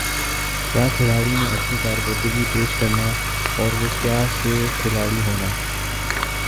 کَیا کھلاڑی نے اچھی کارکردگی پیش کرنا اور وُہ کَیا سے کھلاڑی ہونا